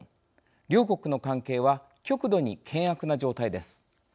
両国の関係は極度に険悪な状態です。